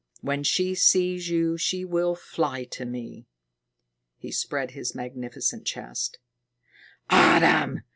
When she sees you, she will fly to me." He spread his magnificent chest. "Adam!"